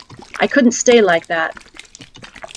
I couldn't stay like that.